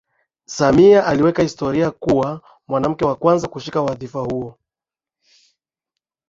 Samia aliweka historia ya kuwa mwanamke wa kwanza kushika wadhifa huo